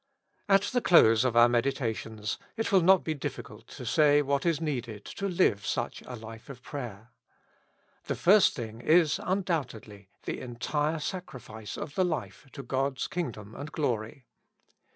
At the close of our meditations it will not be diffi cult to say what is needed to live such a life of prayer. The first thing is undoubtedly the entire sacrifice of the life to God's kingdom and glory.